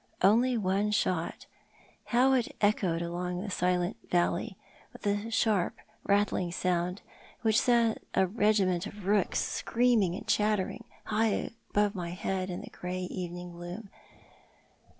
Only one shot ! How it echoed along the silent valley, with a sharp, rattling sound, which set a regiment of rooks screaming and chattering high above my head in the grey evening gloom.